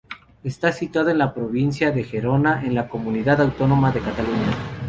Está situado en la provincia de Gerona, en la comunidad autónoma de Cataluña.